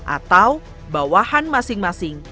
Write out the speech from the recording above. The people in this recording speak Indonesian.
atau bawahan masing masing